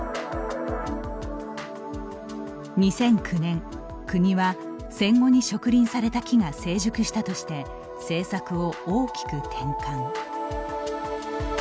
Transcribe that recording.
２００９年、国は戦後に植林された木が成熟したとして政策を大きく転換。